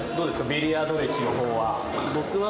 ビリヤード歴の方は。